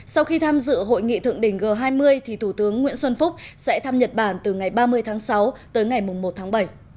sau khi tham dự hội nghị thượng đỉnh g hai mươi thủ tướng nguyễn xuân phúc sẽ thăm nhật bản từ ngày ba mươi tháng sáu tới ngày một tháng bảy